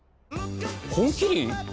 「本麒麟」